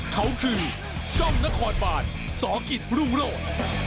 เขาคือช่องนครบาทสองกิจรุงโลศ